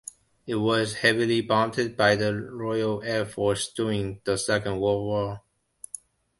It was heavily bombed by the Royal Air Force during the Second World War.